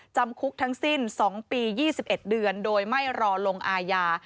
จำคุกทั้งสิ้น๒ปี๒๑เดือนโดยไม่รอลงอาญา